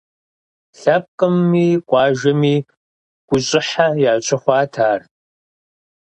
Лъэпкъми къуажэми гущӏыхьэ ящыхъуат ар.